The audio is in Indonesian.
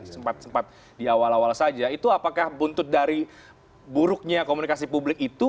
sempat sempat di awal awal saja itu apakah buntut dari buruknya komunikasi publik itu